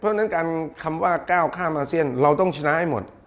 เพราะฉะนั้นการคำว่าก้าวข้ามอาเซียนเราต้องชนะให้หมด